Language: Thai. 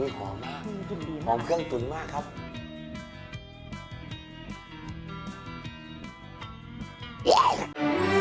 อื้มกินดีมากหอมเครื่องตุ๋นมากครับอื้มกินดีมาก